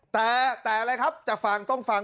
แต่อะไรครับจะฟังต้องฟัง